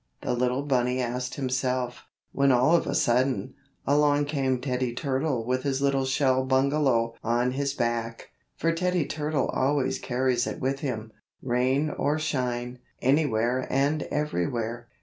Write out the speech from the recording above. the little bunny asked himself, when all of a sudden, along came Teddy Turtle with his little shell bungalow on his back, for Teddy Turtle always carries it with him, rain or shine, anywhere and everywhere.